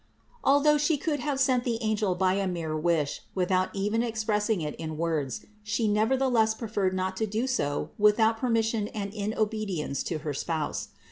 Although She could have sent the angel by a mere wish, without even expressing it in words, She 532 CITY OF GOD nevertheless preferred not to do so without permission and in obedience to her spouse.